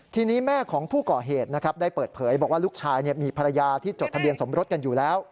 ทีนี้แม่ของผู้ก่อเหตุนะครับได้เปิดเผยบอกว่าลูกชายมีภรรยาที่จดทะเบียนสมรสกันอยู่แล้ว